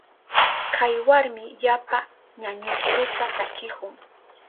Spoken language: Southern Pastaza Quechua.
Kay warmi yapa ñañustuta takihun.